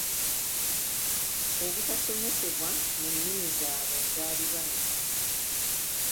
obutasomesebwa mu nnimi zaabwe enzaaliranwa.